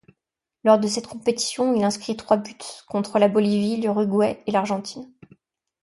Lors de cette compétition, il inscrit trois buts, contre la Bolivie, l'Uruguay et l'Argentine.